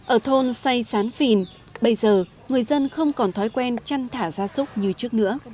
ở thôn say sán phìn bây giờ người dân không còn thói quen chăn thả ra súc như trước nữa